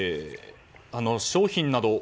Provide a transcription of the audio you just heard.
商品などは？